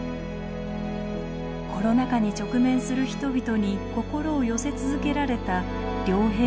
コロナ禍に直面する人々に心を寄せ続けられた両陛下や皇族方。